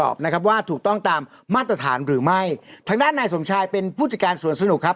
นะครับว่าถูกต้องตามมาตรฐานหรือไม่ทางด้านนายสมชายเป็นผู้จัดการสวนสนุกครับ